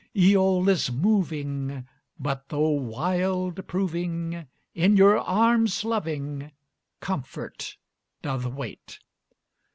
Æol is moving, But though wild proving, In your arms loving Comfort doth wait.